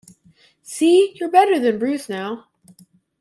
See! You’re better than Bruce now.